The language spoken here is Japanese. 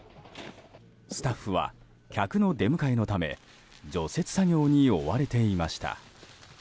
スタッフは客の出迎えのため除雪作業に追われていました。